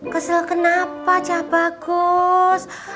kesel kenapa cah bagus